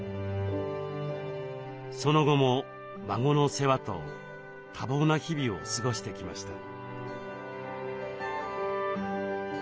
その後も孫の世話と多忙な日々を過ごしてきました。